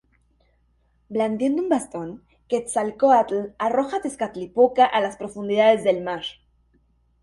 Blandiendo un bastón, Quetzalcóatl arroja a Tezcatlipoca a las profundidades del mar.